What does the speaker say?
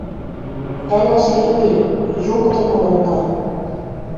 Пӓлӓш лиде — юкдым ылын ныр.